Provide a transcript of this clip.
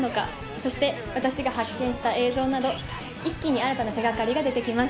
そして私が発見した映像など一気に新たな手掛かりが出て来ます。